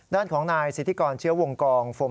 ด้านของนายสิทธิกรเชื้อวงกอง